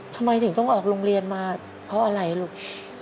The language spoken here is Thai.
ทำไมถึงต้องออกโรงเรียนมาเพราะอะไรลูก